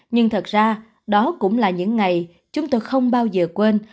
nhưng thật ra đó cũng là những ngày chúng tôi không bao giờ quên